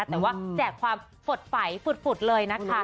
แต่ว่าแจกความสดใสฝุดเลยนะคะ